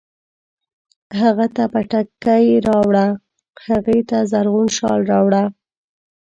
هغه ته پټکی راوړه، هغې ته زرغون شال راوړه